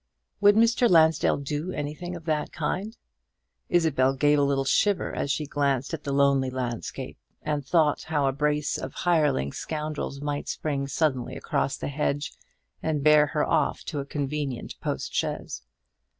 Would Mr. Lansdell do anything of that kind? Isabel gave a little shiver as she glanced at the lonely landscape, and thought how a brace of hireling scoundrels might spring suddenly across the hedge, and bear her off to a convenient postchaise.